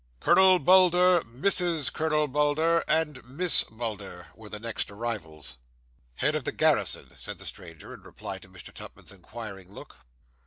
'Colonel Bulder, Mrs. Colonel Bulder, and Miss Bulder,' were the next arrivals. 'Head of the garrison,' said the stranger, in reply to Mr. Tupman's inquiring look.